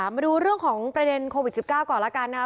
มาดูเรื่องของประเด็นโควิด๑๙ก่อนแล้วกันนะครับ